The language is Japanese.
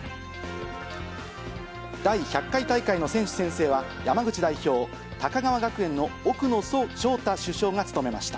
第１００回大会の選手宣誓は山口代表、高川学園の奥野奨太主将が務めました。